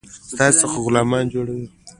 ستاسي څخه غلامان جوړوي.